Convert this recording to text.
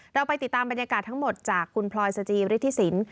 เราไปติดตามบรรยากาศทั้งหมดจากคุณพลอยสจิฤทธิสิน